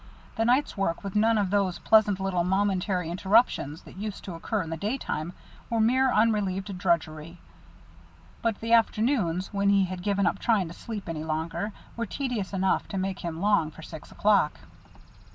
The night's work with none of those pleasant little momentary interruptions that used to occur in the daytime was mere unrelieved drudgery, but the afternoons, when he had given up trying to sleep any longer, were tedious enough to make him long for six o'clock.